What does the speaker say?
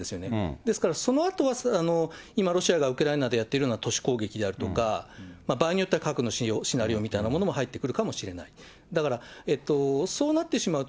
ですからそのあとは、今ロシアがウクライナでやっているようなものであったり、場合によっては核のシナリオみたいな話に入ってくるかもしれない。